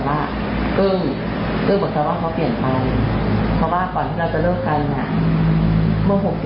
ไปเจอกันแบบในไทยหนึ่ง